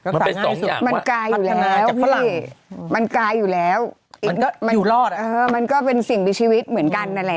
มันเป็นสองอย่างมันกายอยู่แล้วมันกายอยู่แล้วมันก็เป็นสิ่งในชีวิตเหมือนกันนั่นแหละ